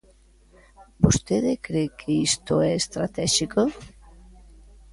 ¿Vostede cre que isto é estratéxico?